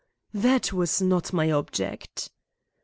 "That was not my object."